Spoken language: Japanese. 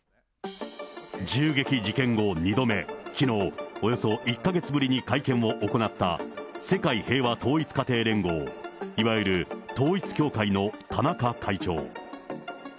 銃撃事件後２度目、きのう、およそ１か月ぶりに会見を行った、世界平和統一家庭連合、いわゆる統一教会の田中会長。